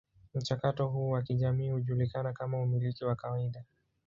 Mchakato huu wa kijamii hujulikana kama umiliki wa kawaida.